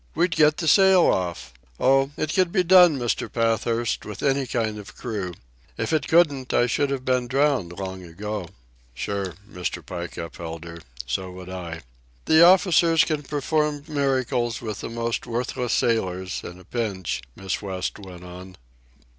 "We'd get the sail off. Oh, it can be done, Mr. Pathurst, with any kind of a crew. If it couldn't, I should have been drowned long ago." "Sure," Mr. Pike upheld her. "So would I." "The officers can perform miracles with the most worthless sailors, in a pinch," Miss West went on.